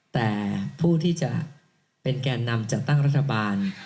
แต่ผู้ที่จะเป็นแก่นำจัดตั้งรัฐบาล